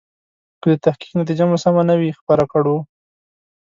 که د تحقیق نتیجه مو سمه نه وي خپره کړو.